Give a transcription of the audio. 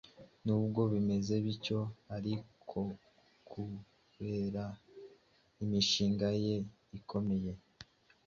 Nubwo bimeze bityo arikokubera imishinga ye ikomeye